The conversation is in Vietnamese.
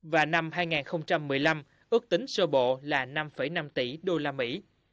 và năm hai nghìn một mươi năm ước tính sơ bộ là năm năm tỷ đô la mỹ